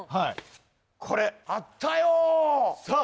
これあったよさあ